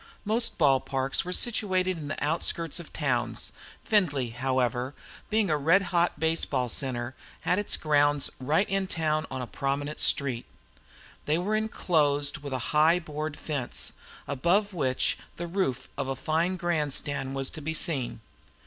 Most ball parks were situated in the outskirts of towns; Findlay, however, being a red hot baseball centre, had its grounds right in town on a prominent street. They were inclosed with a high board fence, above which the roof of a fine grandstand was to be seen.